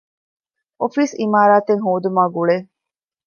އޮފީސް އިމާރާތެއް ހޯދުމާ ގުޅޭ